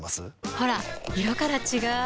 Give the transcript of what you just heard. ほら色から違う！